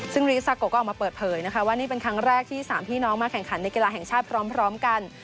ซึ่งรีสซาโกก็ออกมาเปิดเผยนะคะว่านี่เป็นครั้งแรกที่๓พี่น้องมาแข่งขันในกีฬาแห่งชาติพร้อมกัน